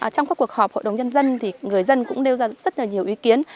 trong các cuộc họp hội đồng nhân dân thì người dân cũng nêu ra rất là nhiều ý kiến